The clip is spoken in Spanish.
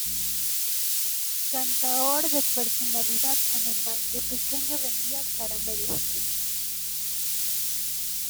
Cantaor de personalidad anormal, de pequeño vendía caramelos.